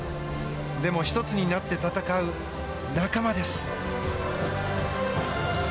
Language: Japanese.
でも１つになって戦う仲間です。